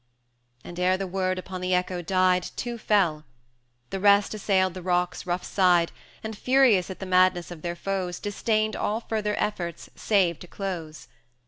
And ere the word upon the echo died, Two fell; the rest assailed the rock's rough side, And, furious at the madness of their foes, Disdained all further efforts, save to close.